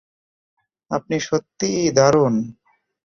আপনি সত্যিই দারুণ।